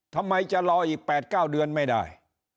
ทำไมจะรออีก๘๙เดือนไม่ได้